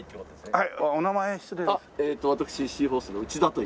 はい。